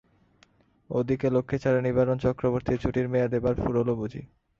ও দিকে লক্ষ্মীছাড়া নিবারণ চক্রবর্তীর ছুটির মেয়াদ এবার ফুরোল বুঝি।